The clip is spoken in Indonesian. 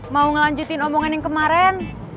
mau ngelanjutin omongan yang kemarin